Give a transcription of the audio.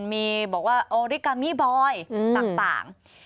มีบอกว่าโอริกามี่บอยต่าง